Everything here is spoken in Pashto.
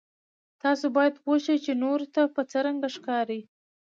تاسو باید پوه شئ چې نورو ته به څرنګه ښکارئ.